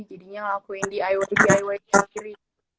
jadinya aku yang diy diy yang kiri